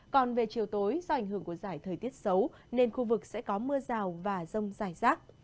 còn về chiều tối do ảnh hưởng của giải thời tiết xấu nên khu vực sẽ có mưa rào và rông dài rác